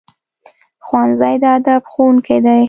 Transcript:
ښوونځی د ادب ښوونکی دی